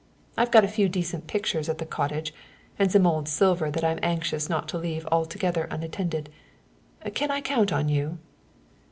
I've got a few decent pictures at the cottage and some old silver that I'm anxious not to leave altogether unattended. Can I count on you?"